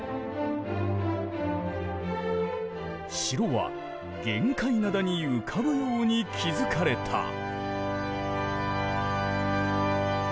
城は玄界灘に浮かぶように築かれた。